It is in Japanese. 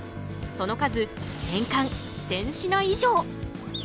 その数年間１，０００品以上！